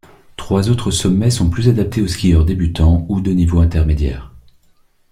Trois autres sommets sont plus adaptés aux skieurs débutants ou de niveau intermédiaire.